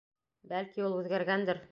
Бәлки ул... үҙгәргәндер...